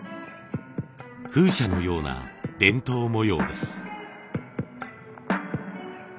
風車のような伝統模様です。